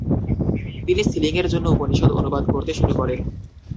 তিনি সিলিংয়ের জন্য উপনিষদ অনুবাদ করতে শুরু করেন।